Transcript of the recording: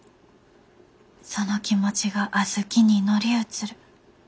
「その気持ちが小豆に乗り移る。